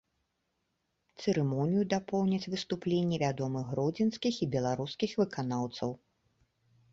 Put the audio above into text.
Цырымонію дапоўняць выступленні вядомых гродзенскіх і беларускіх выканаўцаў.